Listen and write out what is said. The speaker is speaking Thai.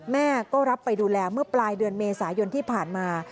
แม่ก็รับไปดูแลเมื่อปลายเดือนเมษายนที่ผ่านมา